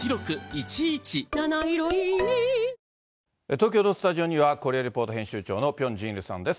東京のスタジオには、コリア・レポート編集長のピョン・ジンイルさんです。